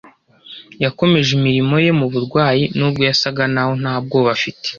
Yakomeje imirimo ye mu barwayi. Nubwo yasaga naho nta bwoba afite